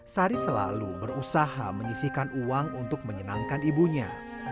sari selalu berusaha menyisihkan uang untuk menyenangkan ibunya